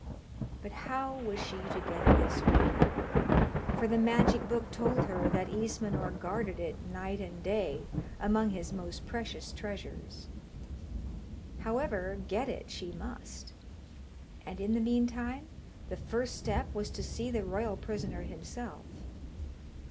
But how was she to get this ring? for the magic book told her that Ismenor guarded it night and day among his most precious treasures. However, get it she must, and in the meantime the first step was to see the royal prisoner himself.